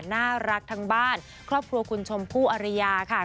น่ารักทั้งบ้านครอบครัวคุณชมพู่อริยาค่ะ